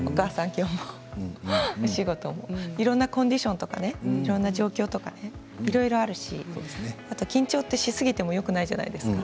今日もお仕事もいろんなコンディションとかいろんな状況とかいろいろあるしあと緊張しすぎてもよくないじゃないですか。